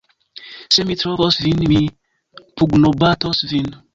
Se mi trovos vin, mi pugnobatos vin!